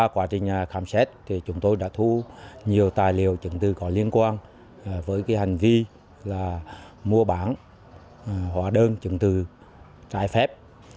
quá trình khám xét chúng tôi đã thu nhiều tài liệu chứng từ có liên quan với hành vi mua bán hóa đơn chứng từ trái phép